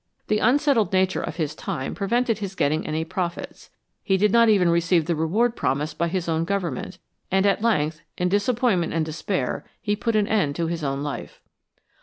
The unsettled nature of his time prevented his getting any profits ; he did not even receive the reward promised by his own Government, and at length, in disappointment and despair, he put an end to his own life.